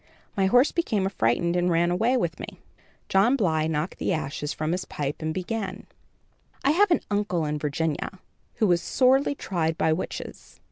My horse became affrighted and ran away with me." John Bly knocked the ashes from his pipe and began: "I have an uncle in Virginia, who was sorely tried by witches.